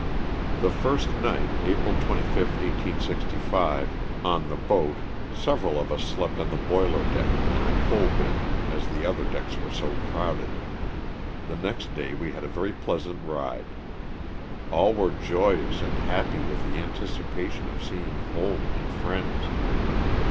The first night, April 25, 1865, on the boat several LOSS OF THE SULTANA. 287 of US slept on the boiler deck in a coalbin as the other decks were so crowded. The next day we had a very pleasant ride. All were joyous and happy with the anticipation of seeing home and friends.